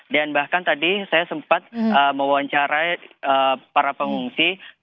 dan bahkan tadi saya sempat mewawancarai para pengungsi